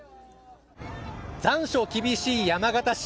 残暑厳しい山形市。